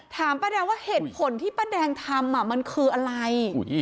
ป้าแดงว่าเหตุผลที่ป้าแดงทำมันคืออะไร